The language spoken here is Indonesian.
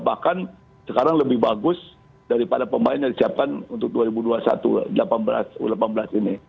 bahkan sekarang lebih bagus daripada pemain yang disiapkan untuk dua ribu dua puluh satu u delapan belas ini